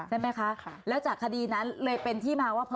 ใช่ไหมคะแล้วจากคดีนั้นเลยเป็นที่มาว่า